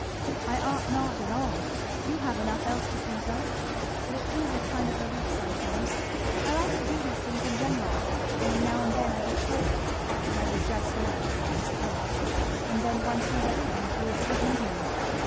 "I ought not at all you have enough else to think of but it is a kind of relief sometimes. I like to do these things in general, only now and then I get tired, as I was just now, I suppose, and then one sees everything through a different medium."